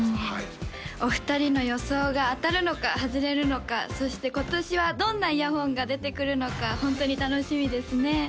はいお二人の予想が当たるのか外れるのかそして今年はどんなイヤホンが出てくるのかホントに楽しみですね